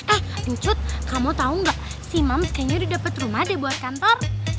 eh nucut kamu tau gak si mam sepertinya udah dapet rumah deh buat kantor